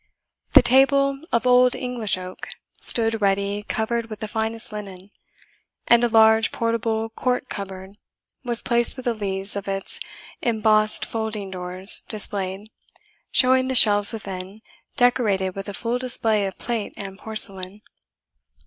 The table, of old English oak, stood ready covered with the finest linen; and a large portable court cupboard was placed with the leaves of its embossed folding doors displayed, showing the shelves within, decorated with a full display of plate and porcelain.